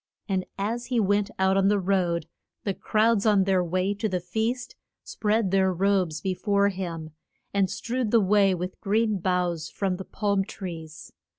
And as he went out on the road the crowds on their way to the feast spread their robes be fore him, and strewed the way with green boughs from the palm trees.